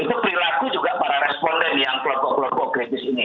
itu perilaku juga para responden yang kelompok kelompok kritis ini